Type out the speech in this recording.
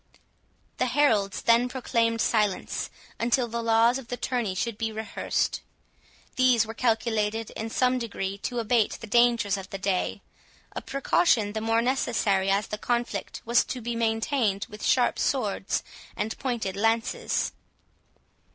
The heralds then proclaimed silence until the laws of the tourney should be rehearsed. These were calculated in some degree to abate the dangers of the day; a precaution the more necessary, as the conflict was to be maintained with sharp swords and pointed lances.